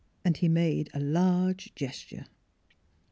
" And he made a large gesture.